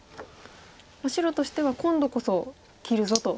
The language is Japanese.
白としては今度こそ切るぞと。